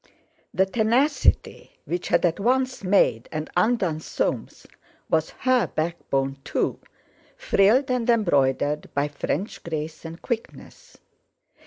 The tenacity which had at once made and undone Soames was her backbone, too, frilled and embroidered by French grace and quickness.